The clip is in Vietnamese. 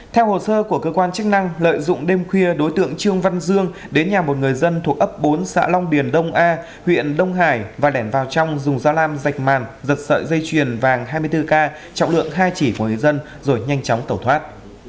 theo hồ sơ của cơ quan chức năng lợi dụng đêm khuya đối tượng trương văn dương đến nhà một người dân thuộc ấp bốn xã long điền đông a huyện đông hải và lẻn vào trong dùng dao lam dạch màn giật sợi dây chuyền vàng hai mươi bốn k trọng lượng hai chỉ của người dân rồi nhanh chóng tẩu thoát